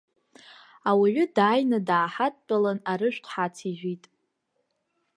Ауаҩы дааины дааҳадтәалан арыжәтә ҳацижәит.